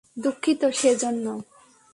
দুঃখিত সে জন্য!